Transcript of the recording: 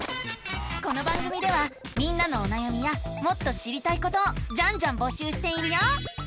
この番組ではみんなのおなやみやもっと知りたいことをジャンジャンぼしゅうしているよ！